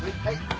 はい。